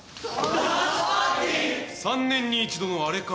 ３年に一度のあれか。